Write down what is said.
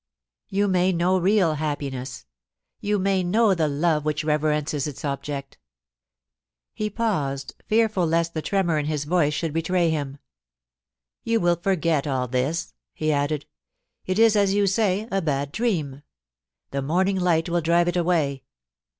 You may know real happiness. You may know the love which reverences its object' He paused, fearful lest the tremor in his voice should betray him. * You will forget all this,' he added * It is as you say, a bad dream. The morning light will drive it away.